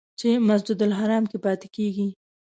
چې مسجدالحرام کې پاتې کېږي.